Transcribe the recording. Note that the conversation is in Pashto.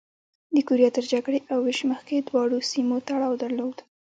د کوریا تر جګړې او وېش مخکې دواړو سیمو تړاو درلود.